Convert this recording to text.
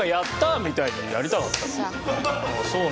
みたいなのやりたかったな。